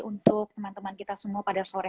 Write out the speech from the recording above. untuk teman teman kita semua pada sore